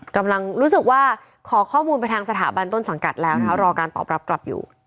กำลังรู้สึกว่าขอข้อมูลไปทางสถาบันต้นสังกัดแล้วนะคะรอการตอบรับกลับอยู่